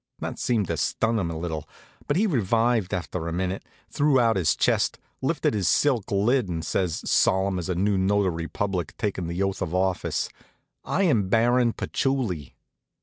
That seemed to stun him a little; but he revived after a minute, threw out his chest, lifted his silk lid, and says, solemn as a new notary public takin' the oath of office: "I am Baron Patchouli."